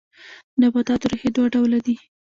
د نباتاتو ریښې دوه ډوله دي